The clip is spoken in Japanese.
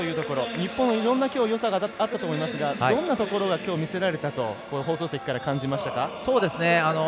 日本はいろんなよさがあったと思いますがどんなところがきょう見せられたと放送席から感じられました？